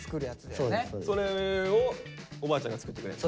それをおばあちゃんが作ってくれるの？